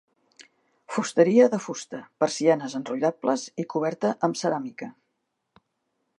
Fusteria de fusta, persianes enrotllables i coberta amb ceràmica.